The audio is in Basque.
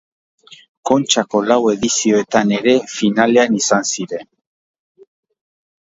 Kontxako lau edizioetan ere finalean izan ziren.